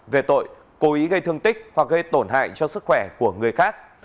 về tội cố ý gây thương tích hoặc gây tổn hại cho sức khỏe của người khác